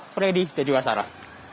freddy dan juga sarah